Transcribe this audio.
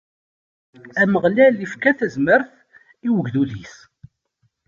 Ameɣlal ifka tazmert i ugdud-is.